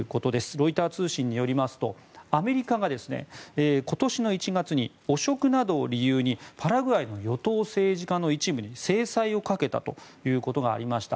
ロイター通信によりますとアメリカが今年１月に汚職などを理由にパラグアイの与党政治家の一部に制裁をかけたということがありました。